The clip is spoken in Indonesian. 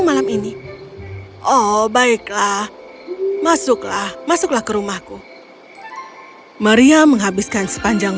malam ini oh baiklah masuklah masuklah ke rumahku maria menghabiskan sepanjang